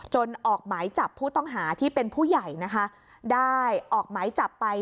ออกหมายจับผู้ต้องหาที่เป็นผู้ใหญ่นะคะได้ออกหมายจับไป